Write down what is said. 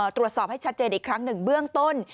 ตรวจสอบให้ชัดเจนอีกครั้งหนึ่งเบื้องต้น